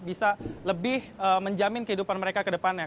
bisa lebih menjamin kehidupan mereka ke depannya